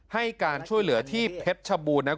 ให้การช่วยเหลือที่เพชรชบูรณ์